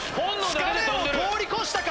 疲れを通り越したか？